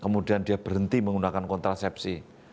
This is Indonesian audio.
kemudian dia berhenti menggunakan kontrasepsi